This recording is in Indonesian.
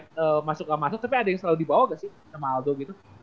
despite masuk gak masuk tapi ada yang selalu dibawa gak sih sama aldo gitu